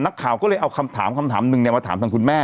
นักข่าวก็เลยเอาคำถามคำถามหนึ่งมาถามทางคุณแม่